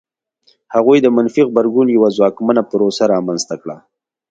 هغوی د منفي غبرګون یوه ځواکمنه پروسه رامنځته کړه.